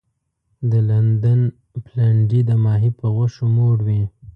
د لندن پلنډي د ماهي په غوښو موړ وي.